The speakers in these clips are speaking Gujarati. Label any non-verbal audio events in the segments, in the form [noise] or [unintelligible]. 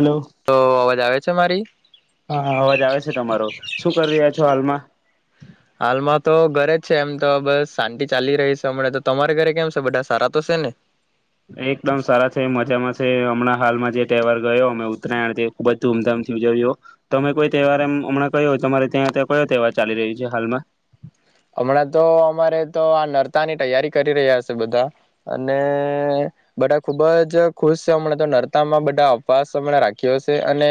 હલો, તો અવાજ આવે છે મારી હા અવાજ આવે છે તમારો શું કરી રહ્યા છો હાલમાં હાલમાં તો ઘરે જ છે એમ તો બસ શાંતિ ચાલી રહી છે હમણાં તો તમારે ઘરે કેમ છે, બધા સારા તો શેને એકદમ સારા છે, મજામાં તે હમણાં હાલમાં જે તહેવાર ગયો અમે ઉત્તરાયણ તે ખુબ જ ધૂમધામથી ઉજવ્યો તમે કોઈ તહેવાર એમ હમણાં કયો તમારે ત્યાં કયો તહેવાર ચાલી રહ્યો છે હાલમાં હમણાં તો અમારે તો આ નરતાની તૈયારી કરી રહ્યા છે, બધા અને બધા ખુબ જ ખુશ છે, હમણાં તો નરતામાં બધા અપવાસ હમણા રાખ્યો શે અને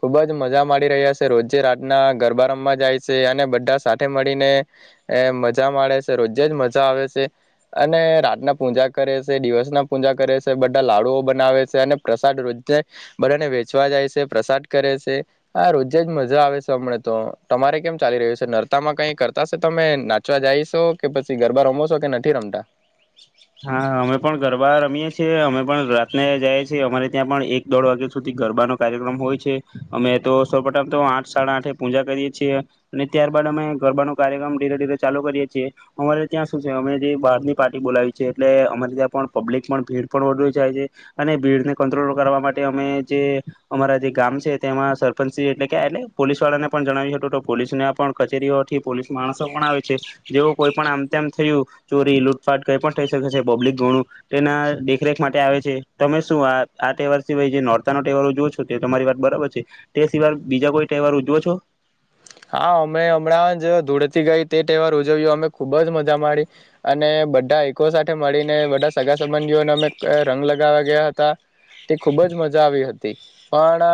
ખુબ જ મજા માડી રહ્યા શે રોજે રાતના ગરબા રમમાં જાય શે અને બધા સાથે મળીને એ મજા માડે શે રોજે જ મજા આવે શે અને રાતના પૂજા કરે શે દિવસ ના પૂજા કરે શે બધા લાડુઓ બનાવે શે અને પ્રસાદ રોજે બધાને વેચવા જાય શે પ્રસાદ કરે શે આ રોજે જ મજા આવે છે હમણા તો તમારે કેમ ચાલી રહ્યું શે નર્તા માં કઈ કરતા તસે તમે નાચવા જઈશો કે પછી ગરબા રમો છો કે નથી રમતા છે અમે પણ રાતને જઈએ છીએ અમારે ત્યાં પણ એક દોઢ વાગ્યા સુધી ગરબાનો કાર્યક્રમ હોય છે અમે તો સૌપથમ તો આઠ, સાડાઆઠે પૂજા કરીએ છીએ, અને ત્યારબાદ અમે ગરબાનો કાર્યક્રમ ધીરે ધીરે ચાલુ કરીએ છીએ, અમારે ત્યાં સુું છે અમે જે બહારની પાર્ટી બોલાવીએ એટલે અમારે ત્યાં પણ પબ્લિક પણ ભીડ પણ વધી જાય છે અને ભીડને કંટ્રોલ કરવા માટે અમે જે અમારા જે ગામ છે તેમાં સરપંચ સી એટલે કે એટલે પોલીસ વાળાને પણ જણાવી તો પોલીસ ના પણ કચેરીઓથી પોલીસ માણસો પણ આવે છે જેવું કોઈ પણ આમતેમ થયું ચોરી, લૂટફાટ, કઈ પણ થઈ શકે છે પબ્લિક ઘણું તેના દેખરેખ માટે આવે છે તમે શું આ આ તહેવાર સિવાય જે નોર્તા ન તહેવાર ઉજવો છો તે તમારી વાત બરાબર છે તે સિવાય બીજા કોઈ તહેવાર ઉજવો છો હા અમે હમણાં જ ધુળેટી ગઈ તે તહેવાર ઉજવ્યો અમે ખૂબ જ મજા માડી અને બધા એકકો સાથે મળીને બધા સગા સંબંધીઓને અમે રંગ લગાવવા ગયા હતા તે ખૂબ જ મજા આવી હતી, પણ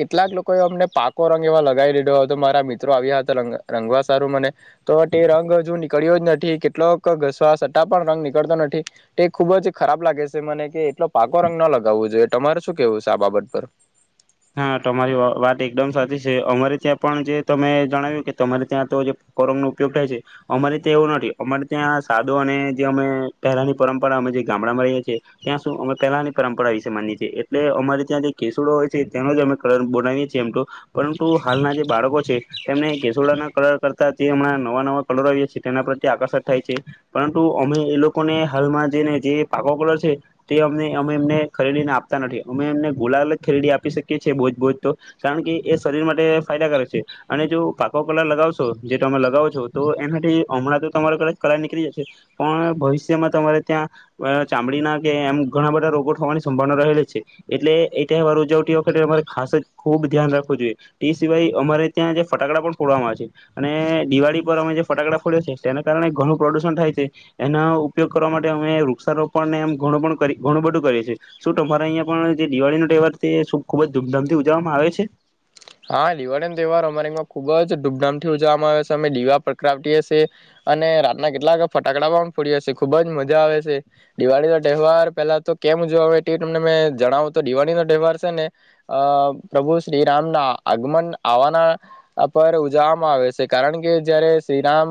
કેટલાક લોકોએ અમને પાકો રંગ એવા લગાવી દીધો હતો તો મારા મિત્રો આવ્યા હતા રંગવા સારું મને તો તે રંગ હજુ નીકળ્યો જ નથી, કેટલોક ઘસવા છતાં પણ રંગ નીકળતો નથી તે ખુબ જ ખરાબ લાગે છે મને કે એટલો પાકો રંગ ન લગાવવો જોઈએ તમારે શું કેવું છે આ બાબત પર હા તમારી વાત એકદમ સાચી છે, અમારે ત્યાં પણ જે તમે જણાવ્યું કે તમારે ત્યાં તો જે કોરંગનો ઉપયોગ થાય છે અમારે ત્યાં એવું નથી અમારે ત્યાં સાદો અને જે અમે પહેલાની પરંપરા અમે જે ગામડામાં રહીએ છીએ ત્યાં શું અમે પહેલાની પરંપરા વિશે માનીએ છીએ એટલે અમારે ત્યાં જે કેસુડો હોય છે છે એનોજ અમે કલર બનાવીએ છીએ એમ પરંતુ, હાલના જે બાળકો છે તેમને કેસૂડાના કલર કરતા જે હમણાં નવા નવા કલર આવીએ છીએ તેના પ્રત્યે આકર્ષક થાય છે પરંતુ અમે એ લોકોને હાલમાં જેને જે પાકો કલર છે તે અને અમે એમને ખરીદીને આપતા નથી અમે એમને ગુલાલ જ ખરીદી આપતા આપ શકીએ છી બોજ બોજ તો કારણ કે એ શરીર માટે ફાયદાકારક છે અને જો પાકો કલર લગાવશો જે તમે લગાવો છો તો એનાથી હમણાં તો તમારા ક કલર નીકળી જશે પણ ભવિષ્યમાં તમારે ત્યાં ચામડીના કે એમ ઘણા બધા રોગો થવાની સંભાવના રહેલી છે એટલે એ તહેવાર ઉજવ તે વખતે અમારે ખાસ જ ખૂબ ધ્યાન રાખવું જોઈએ એ સિવાય અમારે ત્યાં જે ફટાકડા પણ ફોડવામાં આવે છે અને દિવાળી પર અમે જે ફટાકડા ફોડ્યા છે તેના કારણે ઘણું પ્રદુષણ થાય છે એના ઉપયોગ કરવા માટે અમે વૃક્ષારોપણને એમ ઘણું ઘણુ બધું કરીએ છીએ શું તમારે અહીંયા પણ જે દિવાળીનો તહેવાર છે એ ખુબ જ ધૂમધામથી ઉજવવામાં આવે છે હા દિવાળીનો તહેવાર અમારીમાં ખુબ જ ધૂમધામથી ઉજવામાં આવે શે અમે દિવા પ્રકાવી હ છીએ અને રાતના કેટલાક ફટાકડા પણ ફોડીએ છીએ ખુબ જ મજા આવે શે દિવાળીનો તહેવાર પહેલા તો કેમ ઉજવા તે તમને જણાવું તો દિવાળીનો તહેવાર શે ને અ પ્રભુ શ્રીરામ ના આગમન આવવાના પર ઉજવવામાં આવે છે કારણ કે જયારે શ્રીરામ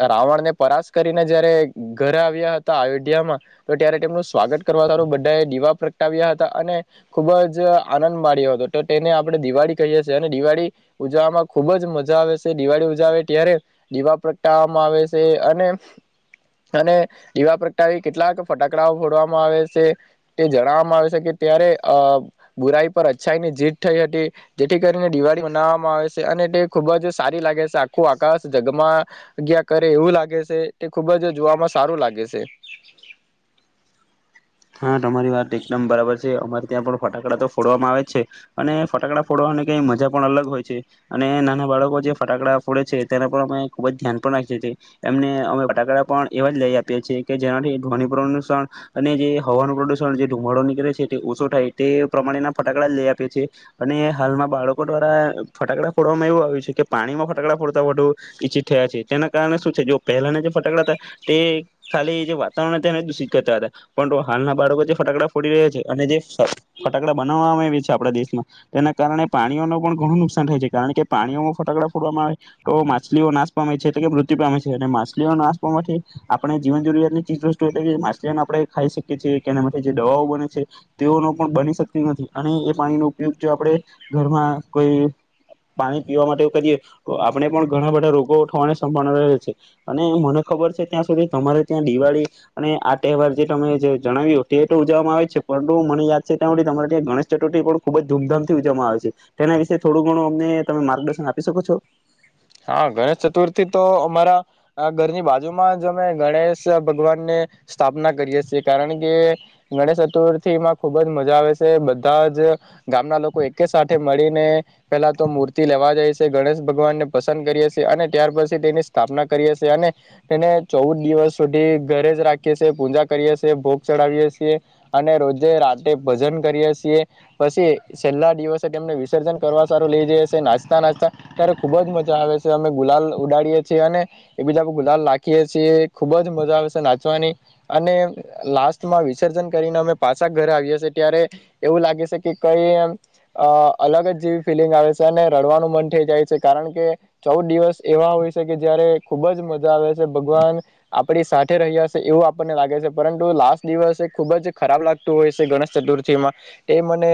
અ રાવણને પરાસ કરીને જયારે ઘરે આવ્યા હતા અયોધ્યામાં તો ત્યારે તેમનું સ્વાગત કરવા સારું બધા એ દીવા પ્રગટાવ્યા હતા અને ખુબ જ આનંદ માડ્યો હતો એને આપણે દિવાળી કહીએ છેીએ અને દિવાળી ઉજવામાં ખુબ જ મજા આવે છે દિવાળી ઉજાવે ત્યારે દીવા પ્રગટાવવામાં આવે છે અને અને દીવા પ્રગટાવી કેટલાક ફટાકડાઓ ફોડવામાં આવે છે તે જણાવવામાં આવે છે કે ત્યારે અ બુરાઈ પર અચ્છાઈ ની જીત થઈ હતી જેથી કરીને દિવાળી મનાવવામાં આવે છે અને તે ખૂબ જ સારી લાગે છે આખું આકાશ જગમાંગ્યા કરે એવું લાગે છે તે ખૂબ જ જોવામાં સારું લાગે છે હા તમારી વાત એકદમ બરાબર છે અમારે ત્યાં પણ ફટાકડા તો ફોડવામાં આવે જ છે, અને ફટાકડા ફોડવાને ક મજા પણ અલગ હોય છે અને નાના બાળકો જે ફટાકડા ફોડે છે તેના પર અમે ખુબ જ ધ્યાન પણ રાખી છીએમને અમે ફટાકડા પણ એવા જ લઈ આપીએ છએ કે જેનાથી ધ્વન અને જે હવાનું પ્રદુષણ જે ધુમાડો નીકળે છે, તે ઓછો થાય તે પ્રમાણેના ફટાકડા લઈ આપે છે, અને હાલમાં બાળકો દ્વારા ફટાકડા ફોડવામાં એવું આવ્યું છે, કે પાણીમાં ફટાડા ફોડતા વધુ ઈચ્છિત થયા છે. તેના કારણે શું છે જો પહેલાના જે ફટાડા હતા તે ખાલી જે વાતાવરણ તેને દૂષિત કરતા હતા. પણ હાલના બાળકો જે ફટાકડા ફોડી રહ્યા છે, અને જે ફટાકડા બનાવામાં આવે છે, આપડા દેશમાં તેના કારણે પાણીઓ ન પણ ઘણું નુકસાન થાય છે, કારણ કે પાણીઓમાં ફટાકડા ફોડવામાં આવે તો માછલીઓ નાશ પામે છે, એટલે કે મૃત્યુ પામે છે અને માછલીઓ નાશ પાવા માટેથી આપણે જીવન જરૂરિયાત ની ચીજ વસ્તુ એટલે કે માછલીઓને આપણે ખાઈ શકીએ. જેના માટે જે દવાઓ બને છે, તેઓનો પણ બની શકતી નથી અને એ પાણીનો ઉપયોગ જો આપણે ઘરમાં કોઈ પાણી પીવા માટે કરીએ, તો આપણે પણ ઘણા બધા રોગો થવાને સંભાળના રહે છે અને મને ખબર છે. ત્યાં સુધી તમારે ત્યાં દિવાળી અને આ તહેવાર જે તમે જે જણાવ્યું તે તો ઉજવામાં આવે છે, પરંતુ મને યાદ છે ત્યાં સુધી તમારે ત્યાં ગણેશ ચતુર્થી પણ ખુબ જ ધૂમધામથી ઉજવવામાં આવે છે. તેના વિશે થોડું ઘણું અમને તમે માર્ગદર્શન આપી શકો છો? હા, ગણેશ ચતુર્થી તો અમારા ઘરની બાજુમાં જ અમે ગણેશ ભગવાન ને સ્થાપના કરીએ છીએ, કારણ કે ગણેશ ચતુર્થી માં ખુબ જ મજા આવે છે બધા જ ગામના લોકો એક સાથે મળીને પેલા તો મૂર્તિ લેવા જાય છે. ગણેશ ભગવાનને પસંદ કરીએ છીએ અને ત્યાર પછી તેની સ્થાપના કરીએ છીએ અને તેને ચૌદ દિવસ સુધી ઘરે જ રાખીએ છીએ, પૂજા કરીએ છી, ભોગ ચડાવીએ છીએ અને રોજે રાતે ભજન કરીએ છીએ. પછી છેલ્લા દિવસે તેમને વિસર્જન કરવા સારું લઇ જઈીએ નાસ્તા નાસ્તા ત્યારે ખૂબ જ મજા આવે છે અને અમે ગુલાલ ઉડાડીએ છીએ અને એક બીજા ગુલાલ રાખીએ છીએ ખુબ જ મજા આવે છે. નાચવાની અને લાસ્ટમાં વિસર્જન કરીને અમે પાછા ઘરે આવીએ છેએ ત્યારે એવું લાગે છે, કે કઈ એમ અ અલગ જ જેવી ફિલિંગ આવે છે અને રડવાનું મન થઈ જાય છે, કારણ કે ચૌદ દિવસ એવા હોય છે કે જયારે ખુબ જ મજા આવે છે. ભગવાન આપડી સાથે રહ્યા છે, એવું આપણને લાગે છે પરંતુ લાસ્ટ દિવસ એ ખુબ જ ખરાબ લાગતું હોય છે. ગણેશ ચતુર્થીમાં એ મને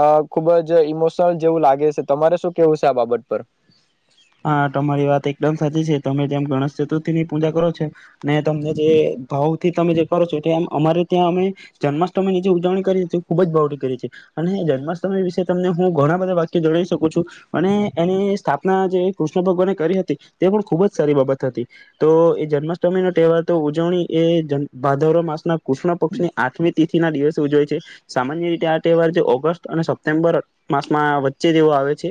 અ ખુબ જ ઈમોશનલ જેવું લાગે છે તમારે શું કેવું છે આ બાબત પર? હા તમારી વાત એકદમ સાચી છે, તમે જેમ ગણેશ ચતુર્થી ની પૂજા કરો છો અને તમને જે ભાવ થી તમે જે કરો છો એ એમ અમારે ત્યાં અમે જન્માષ્ટમી ની જે ઉજવણી કરી ખૂબ જ બાવી કરી છેએ અને જન્માષ્ટમી વિશે તમને હું ઘણા બધા વાક્ય જણઈ શકું છું અને એની સ્થાપના જે કૃષ્ણ ભગવાને કરી હતી તે પણ ખૂબ જ સારી બાબત હતી. તો એ જન્માષ્ટમી નો તહેવાર તો ઉજવણી એ ભાદર માસ ના કૃષ્ણ પક્ષની આઠમી તિથિ ના દિવસે ઉજવાય છે. સામાન્ય રીતે આ તહેવાર જે ઓગસ્ટ અને સપ્ટેમ્બર માસમાં વચ્ચે જેવો આવે છે,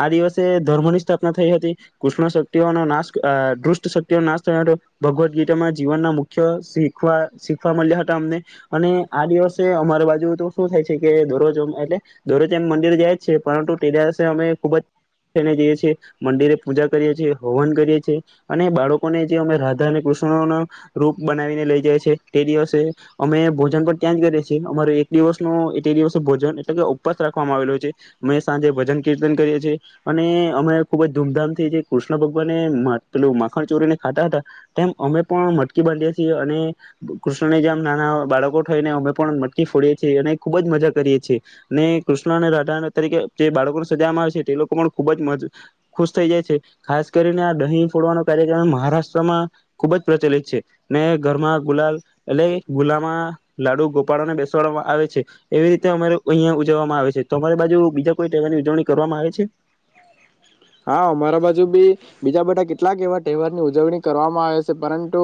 આ દિવસે ધર્મની સ્થ [unintelligible] થઈ હતી કૃષ્ણ શક્તિનો નાશ આ દુષ્ટ શક્તિનો નાશ થયો હતો ભગવદ ગીતામાં જીવન ના મુખ્ય શીખવા શીખવા મળ્યા હતા અમને અને આ દિવસે અમારી બાજુ તો શું થાય છે, કે દરરોજ એટલે દરોજ એમ મંદિરે જાય છે પરંતુ [unintelligible] અમે ખુબ જ થઈને જઈએ છીએ. મંદિરે પૂજા કરીએ છીએ, હવન કરીએ છીએ અને બાળકોને જે અમે રાધા અને કૃષ્ણ ના રૂપ બનાવીને લઈ જઈ છીએ. તે દિવસે અમે ભોજન પર ત્યાં જ કરીએ છીએ અમારે એક દિવસનો તે દિવસે ભોજન એટલે કે ઉપવાસ રાખવામાં આવેલો છે. અમે સાંજે ભજન કીર્તન કરીએ છીએ, અને અમે ખૂબ જ ધૂમધામથી જે કૃષ્ણ ભગવાને મા પેલું માખણ ચોરીને ખાતા હતા. તેમ અમે પણ મટકી બાંધીએ છીએ અને કૃષ્ણને જેમ નાના બાળકો થઈને, અમે પણ મટકી ફોડીએ છીએ અને ખૂબ જ મજા કરીએ છીએ અને કૃષ્ણ અને રાધા તરીકે જે બાળકોને સજામાં આવે છે. તે લોકો પણ ખૂબ જ મ ખુશ થઈ જાય છે. ખાસ કરીને આ દહીં ફોડવાનો કાર્યક્રમ મહારાષ્ટ્રમાં ખુબ જ પ્રચલિત છે, ને ઘરમાં ગુલાલ એટલે ગુલામાં લાડુ ગોપાળોને બેસાડવામાં આવે છે, એવી રીતે અમારે અહીં ઉજવવામાં આવે છે. તો તમારી બાજુ બીજા કોઈ તહેવાર ની ઉજવણી કરવામાં આવે છે? હા, મારા બાજુ બી બીજા બધા કેટલાક એવા તહેવારની ઉજવણી કરવામાં આવે છે, પરંતુ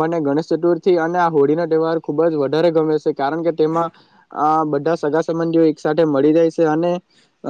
મને ગણેશ ચતુર્થી અને આ હોળીનો તહેવાર ખુબ જ વધારે ગમે છે, કારણ કે તેમાં બધા અ સગા સંબંધીઓ એક સાથે મળી જાય છે, અને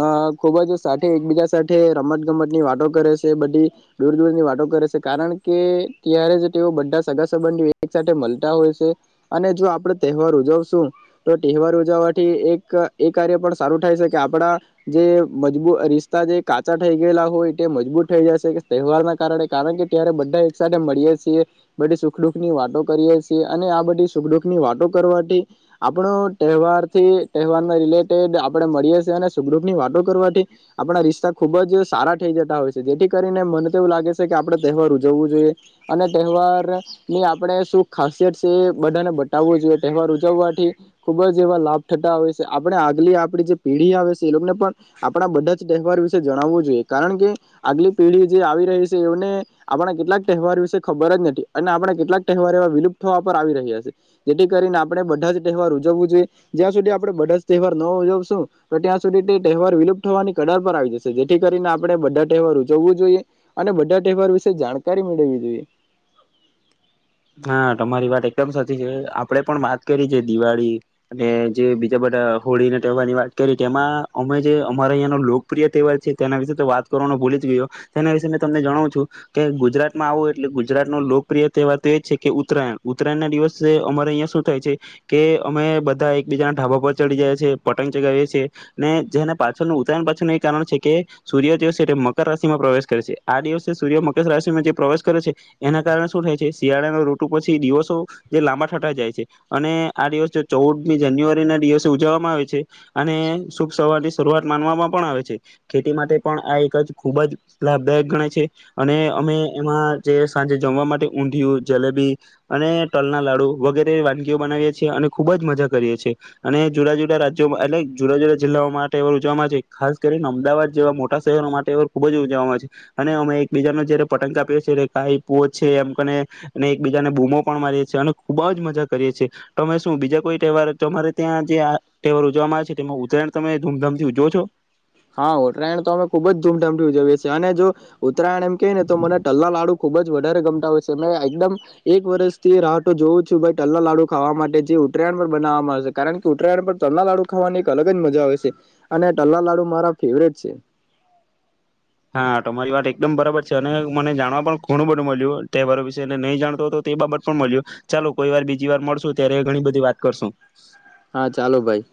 અ ખૂબ જ સાથે એકબીજા સાથે રમત ગમત ની વાતો કરે છે. બધી દૂર દૂરની વાતો કરે છે, કારણ કે ત્યારે જ તેઓ બધા સગા સંબંધીઓ એક સાથે મળતા હોય છે અને જો આપડ તહેવાર ઉજવશું તો તહેવાર ઉજવવાથી એક એ કાર્ય પણ સારું થાય છે, કે આપડા જે મજબૂ રિસ્તા જે [unintelligible] થઈ ગયેલા હોય તે મજબૂત થઈ જશે તહેવારના કારણે કારણ કે ત્યારે બધા એક સાથે મળીએ છીએ બધી સુખ દુઃખ ની વાતો કરીએ છીએ અને આ બધી સુખદુઃખ ની વાતો કરવાથી આપણો તહેવાર થી તહેવારના રિલેટેડ આપણે મળીએ છીએ અને સુખ દુઃખ ની વાતો કરવાથી આપણા રિશ્તા ખૂબ જ સારા થઈ જતા હોય છે. જેથી કરીને મને તો એવું લાગે છે કે આપણે તહેવાર ઉજવવું જોઈએ અને તહેવાર ની આપણે શું ખાસિયત છે, એ બધાને બતાવવું જોઈએ તહેવાર ઉજવવાથી ખૂબ જ એવા લાભ થતા હોય છે. આપણે આગલી આપડી જે પેઢી આવે છે, એ લોકોને પણ આપણા બધા જ તહેવાર જણાવવું જોઈએ કારણ કે આગલી પેઢી જે આવી રહી છે. એમને આપણા કેટલાક તહેવાર વિશે ખબર જ નથી અને આપણા કેટલાક તહેવાર એવા વિલુપ્ત હોવા પર આવી રહ્યા છે. જેથી કરીને આપણે બધા જ તહેવાર ઉજવવું જોઈએ જ્યાં સુધી આપણે બધા જ તહેવાર ન ઉજવશું તો ત્યાં સુધી તે તહેવાર વિલુપ્ત હોવાની કડાર પર આવી જશે. જેથી કરીને આપણે બધા તહેવાર ઉજવવું જોઈએ અને બધા તહેવાર વિશે જાણકારી મેળવવી જોઈએ. હા, તમારી વાત એકદમ સાચી છે. આપણેે પણ વાત કરી જે દિવાળી અને જે બીજા બધા હોળી ના તહેવારની વાત કરી તેમાં અમે જે અમારા અહીંનો લોકપ્રિય તહેવાર છે. તેના વિશે તો વાત કરવાનો ભૂલી જ ગયો તેના વિશેે મેં તમને જણાવું છું, કે ગુજરાતમાં આવું એટલે ગુજરાત ન લોકપ્રિય તહેવાર એ જ છે કે ઉતરાયણ. ઉત્તરાયણ ના દિવસે અમારે અહિયા શું થાય છે, કે અમે બધા એકબીજાના ઢાબા પર ચડી ગયા છીએ, પતંગ ચગાવીએ છીએ અને જેના પાછળનું ઉત્તરાયણ પાછળનું એ કારણ છે, કે સૂર્ય જે મકર રાશિમાં પ્રવેશ કરે છે આ દિવસે સૂર્ય મકર રાશિમાં જે પ્રવેશ કરે છે એના કારણે શું થાય છે? શિયાળાનીનો ઋટુ પછી દિવસો જે લાંબા થતા જાય છે અને આ દિવસ જે ચૌદમી જાન્યુઆરી ના દિવસે ઉજવવામાં આવે છે, અને શુભ સવારની શરૂઆત માનવામાં પણ આવે છે. ખેતી માટે પણ આ એક જ ખૂબ જ લાભદાયક ગણાય છે, અને અમે એમાં જે સાંજે જમવા માટે ઉ ધીયુ, જલેબી અને તલના લાડુ વગેરે વાનગીઓ બનાવીએ છીએ, અને ખૂબ જ મજા કરીએ છીએ, અને જુદા-જુદા રાજ્યોમાં એટલે જુદા-જુદા જિલ્લાઓ માટે ઉજવામાં આવે છે. ખાસ કરીને અમદાવાદ જેવા મોટા શહેરો માટે ખૂબ જ ઉજવામાં આવે છે, અને અમે એકબીજાનો જયારે પટંગ કાપીએ છીએ કાઈ પો છે એમ કને અને એકબીજાને બૂમો પણ મારીએ છીએ, અને ખુબ જ મજા કરીએ છીએ. તમે શું બીજા કોઈ તહેવાર તમારે ત્યાં જે આ તહેવાર ઉજવામાં આવે છે તેમાં ઉતરાયણ તમે ધૂમધામથી ઉજવો છો? હા ઉત્તરાયણ તો અમે ખુબ જ ધૂમધામથી ઉજવીએ છીએ, અને જો ઉત્તરાયણ એમ કે ને તો મને તલના લાડુ ખુબ જ વધારે ગમતા હોય છે. મે એકદમ એક વર્ષથી રાહ તો જોવું છું ભાઈ તલના લાડુ ખાવા માટે જે ઉત્તરાયણ પર બનાવવામાં આવે છે, કારણ કે ઉત્તરાયણ પર તલના લાડુ ખાવાની એક અલગ જ મજા આવે છે. અને તલના લાડુ મારા ફેવરિટ છે. હા તમારી વાત એકદમ બરાબર છે. અને મને જાણવા પણ ઘણું બધું મલ્યું તહેવારો વિશે, ને નહી જાણતો તો તે બાબત પણ મલ્યું. ચાલો કોઈ વાર બીજી વાર મળશું ત્યારે ઘણી બધી વાત કરશું. હા ચાલો ભાઈ.